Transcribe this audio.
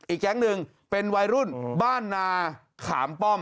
แก๊งหนึ่งเป็นวัยรุ่นบ้านนาขามป้อม